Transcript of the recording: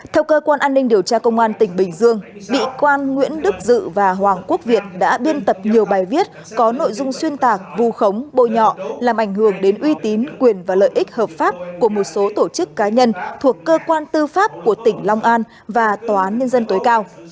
theo cơ quan an ninh điều tra công an tỉnh bình dương bị quan nguyễn đức dự và hoàng quốc việt đã biên tập nhiều bài viết có nội dung xuyên tạc vù khống bôi nhọ làm ảnh hưởng đến uy tín quyền và lợi ích hợp pháp của một số tổ chức cá nhân thuộc cơ quan tư pháp của tỉnh long an và tòa án nhân dân tối cao